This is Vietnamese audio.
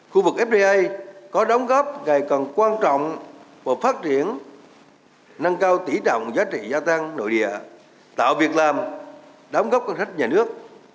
khu vực fda có đóng góp ngày còn quan trọng của phát triển nâng cao tỷ đồng giá trị gia tăng nội địa tạo việc làm đóng góp các khách nhà nước